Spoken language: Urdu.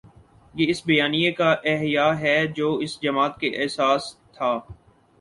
یہ اس بیانیے کا احیا ہے جو اس جماعت کی اساس تھا۔